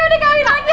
lagi udah kawin lagi